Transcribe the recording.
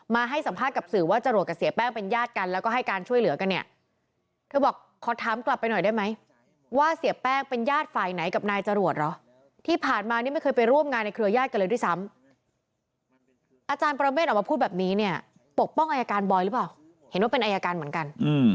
แบบนี้เนี่ยปกป้องอายการบอยหรือเปล่าเห็นว่าเป็นอายการเหมือนกัน